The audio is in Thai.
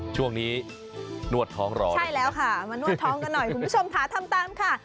ช่วงนี้นวดท้องรอใช่แล้วค่ะมานวดท้องกันหน่อยคุณผู้ชมค่ะทำตามค่ะ